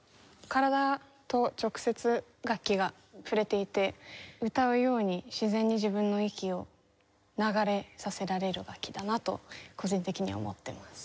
体と直接楽器が触れていて歌うように自然に自分の息を流れさせられる楽器だなと個人的には思っています。